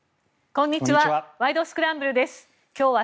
こんにちは。